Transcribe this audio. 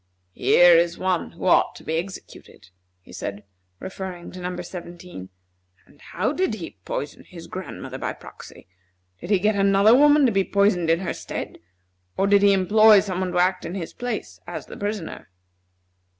"Here is one who ought to be executed," he said, referring to Number Seventeen. "And how did he poison his grandmother by proxy? Did he get another woman to be poisoned in her stead? Or did he employ some one to act in his place as the poisoner?"